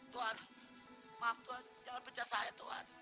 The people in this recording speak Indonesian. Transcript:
tuan maaf tuan jangan pecat saya tuan